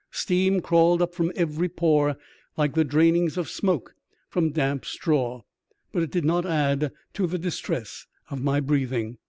Steam crawled up from every pore, like the drainings of smoke from damp straw, but it did not add to the distress of my breathing.